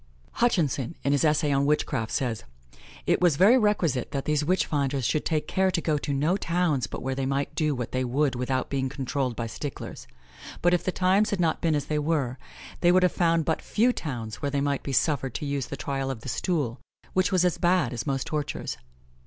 Hutchinson, in his essay on witchcraft, says: "It was very requisite that these witch finders should take care to go to no towns but where they might do what they would without being controlled by sticklers; but if the times had not been as they were, they would have found but few towns where they might be suffered to use the trial of the stool, which was as bad as most tortures.